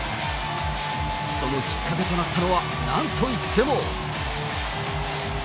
そのきっかけとなったのは、なんといっても。